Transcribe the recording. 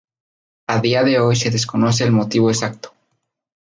A día de hoy se desconoce el motivo exacto.